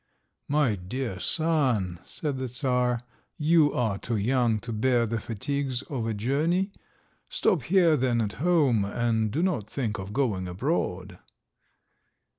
"My dear son," said the Czar, "you are too young to bear the fatigues of a journey. Stop here then at home, and do not think of going abroad."